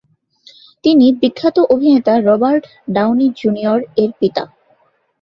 তিনি বিখ্যাত অভিনেতা রবার্ট ডাউনি জুনিয়র এর পিতা।